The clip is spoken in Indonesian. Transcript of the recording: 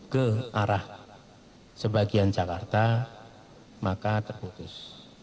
ke arah sebagian jakarta maka terputus